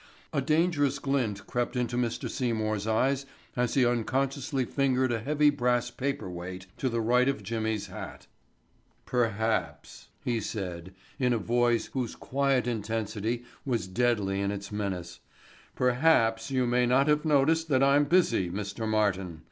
A dangerous glint crept into Mr. Seymour's eyes as he unconsciously fingered a heavy brass paperweight to the right of Jimmy's hat. "Perhaps," he said in a voice whose quiet intensity was deadly in its menace, "perhaps you may not have noticed that I'm busy, Mr. Martin.